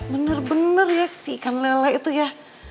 bener bener ya sih ikan lele itu ya